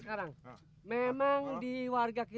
jangan pergi sama aku